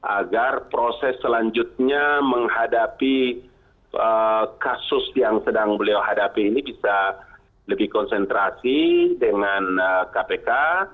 agar proses selanjutnya menghadapi kasus yang sedang beliau hadapi ini bisa lebih konsentrasi dengan kpk